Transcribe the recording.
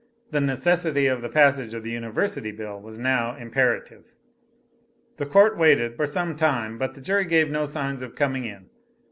The necessity of the passage of the University bill was now imperative. The Court waited for some time, but the jury gave no signs of coming in.